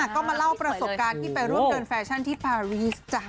ก็มาเล่าประสบการณ์ที่ไปร่วมเดินแฟชั่นที่ปารีสจ๊ะ